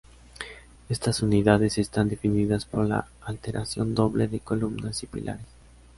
Estas unidades están definidas por la alteración "doble" de columnas y pilares.